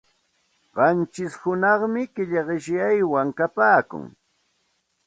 Qanchish hunaqmi killa qishyaywan kapaakun.